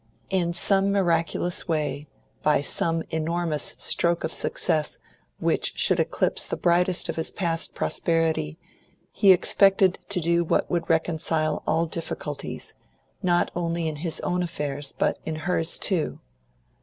In some miraculous way, by some enormous stroke of success which should eclipse the brightest of his past prosperity, he expected to do what would reconcile all difficulties, not only in his own affairs, but in hers too.